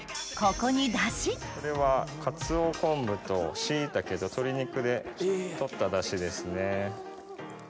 これはかつお昆布とシイタケと鶏肉で取ったダシですね。